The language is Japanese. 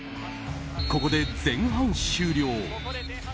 ここで前半終了。